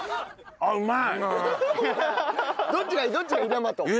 あっうまい！